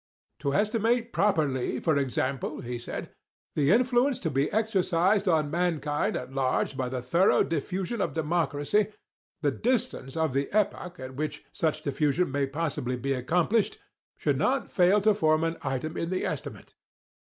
"To estimate properly, for example," he said, "the influence to be exercised on mankind at large by the thorough diffusion of Democracy, the distance of the epoch at which such diffusion may possibly be accomplished should not fail to form an item in the estimate.